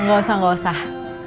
nggak usah nggak usah